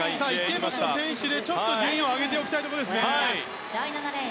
池本選手でちょっと順位を上げておきたいところですね。